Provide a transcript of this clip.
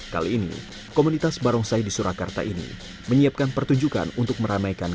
kali ini komunitas barongsai di surakarta ini menyiapkan pertunjukan untuk meramaikan